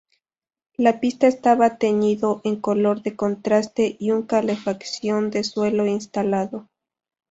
La pista estaba teñido en color de contraste y un calefacción de suelo instalado.